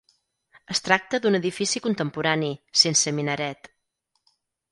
Es tracta d'un edifici contemporani, sense minaret.